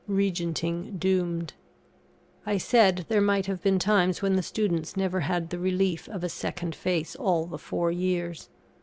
REGENTING DOOMED. I said there might have been times when the students never had the relief of a second face all the four years.